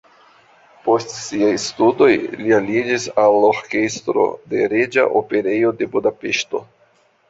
Post siaj studoj li aliĝis al orkestro de Reĝa Operejo de Budapeŝto.